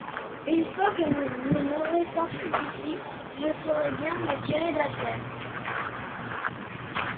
Une fois que vous m'aurez sortie d'ici, je saurai bien me tirer d'affaires.